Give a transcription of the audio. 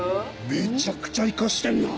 めちゃくちゃイカしてんな！